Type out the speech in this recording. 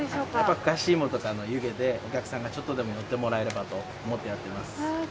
ふかし芋とか湯気で、お客さんがちょっとでも来てもらえればと思っています。